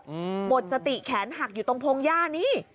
หมดสติแขนหักอยู่ตรงพงหญ้านี้